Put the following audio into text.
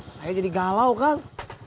saya jadi galau kang